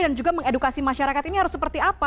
dan juga mengedukasi masyarakat ini harus seperti apa